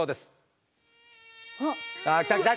あ来た来た！